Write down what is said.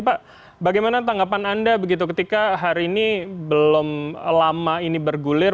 pak bagaimana tanggapan anda begitu ketika hari ini belum lama ini bergulir